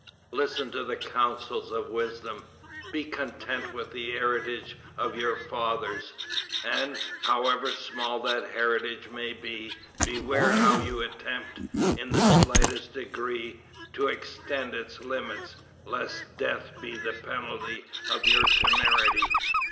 Listen to the counsels of wisdom. Be content with the heritage of your fathers, and, however small that heritage may be, beware how you attempt, in the slightest degree, to extend its limits, lest death be the penalty of your temerity."